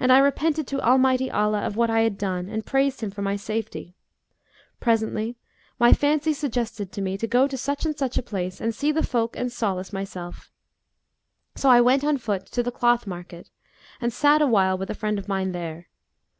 And I repented to Almighty Allah of what I had done and praised Him for my safety. Presently my fancy suggested to me to go to such and such a place and see the folk and solace myself; so I went on foot to the cloth market and sat awhile with a friend of mine there.